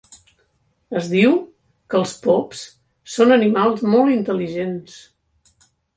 Es diu que els pops són animals molt intel·ligents.